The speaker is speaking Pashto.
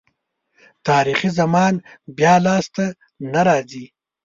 تاریخي زمان بیا لاسته نه راځي.